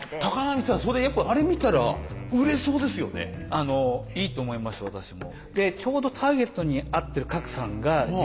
あのいいと思いました私も。